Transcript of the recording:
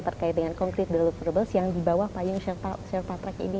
terkait dengan concrete deliverables yang di bawah payung sherpa trek ini